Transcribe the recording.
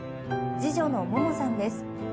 次女の桃さんです。